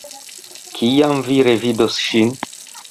Kiam vi revidos ŝin?